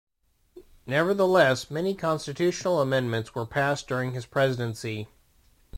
Nevertheless, many constitutional amendments were passed during his presidency.